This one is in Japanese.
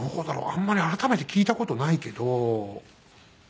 あんまり改めて聞いた事ないけど。